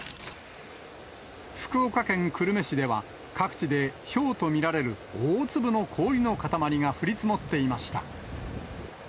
福岡県久留米市では、各地で、ひょうと見られる大粒の氷の塊が降り積もっていました。